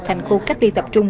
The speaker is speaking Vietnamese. thành khu cách ly tập trung